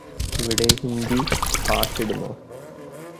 ഇവിടെ ഹിന്ദി പാട്ടിടുമോ